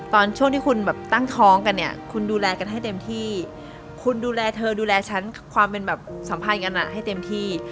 ตอนช่วงที่คุณแบบตั้งท้องกันเนี่ยคุณดูแลกันให้เต็มที่คุณดูแลเธอดูแลฉันความเป็นแบบสัมพันธ์กันให้เต็มที่